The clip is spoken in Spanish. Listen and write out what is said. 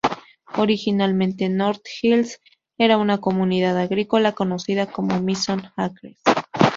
Originalmente North Hills era una comunidad agrícola conocida como Mission Acres.